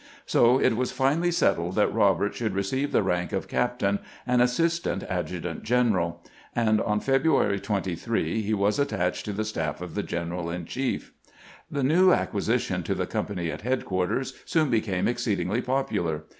So it was finally settled that Eobert should receive the rank of captain and assistant adjutant general ; and on February 23 he was attached to the staff of the general in chief. The LEE ASKS A PEKSONAL INTERVIEW 389 new acquisition to the company at headquarters soon became exceedingly popular.